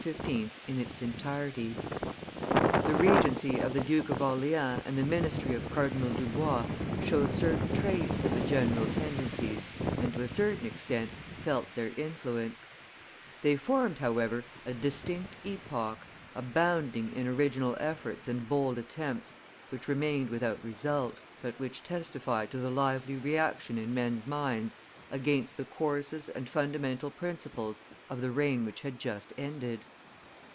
in its entirety. [Illustration: The Regent Orleans 54] The regency of the Duke of Orleans and the ministry of Cardinal Dubois showed certain traits of the general tendencies and to a certain extent felt their influence; they formed, however, a distinct epoch, abounding in original efforts and bold attempts, which remained without result, but which testified to the lively reaction in men's minds against the courses and fundamental principles of the reign which had just ended.